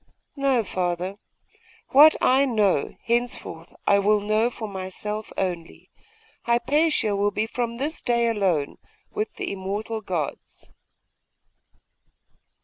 'No, father. What I know, henceforth I will know for myself only. Hypatia will be from this day alone with the Immortal Gods!